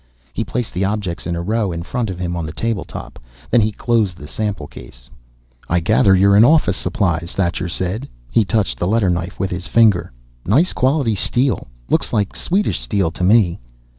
He placed the objects in a row in front of him on the table top. Then he closed the sample case. "I gather you're in office supplies," Thacher said. He touched the letter knife with his finger. "Nice quality steel. Looks like Swedish steel, to me."